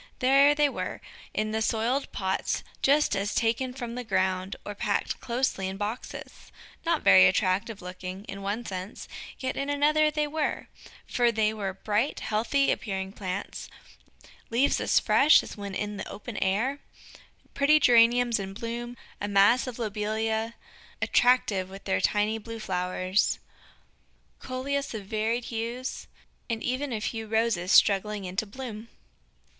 There they were, in the soiled pots just as taken from the ground, or packed closely in boxes. Not very attractive looking, in one sense, yet in another they were, for they were bright, healthy appearing plants leaves as fresh as when in the open air, pretty Geraniums in bloom, a mass of Lobelia, attractive with their tiny blue flowers, Coleus of varied hues, and even a few Roses struggling into bloom.